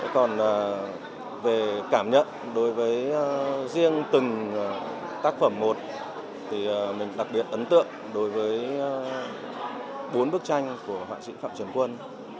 còn về cảm nhận đối với riêng từng tác phẩm một thì mình đặc biệt ấn tượng đối với bốn bức tranh của họa sĩ phạm trường quân